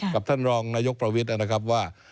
กับท่านรองนายกประวิทย์นะครับว่า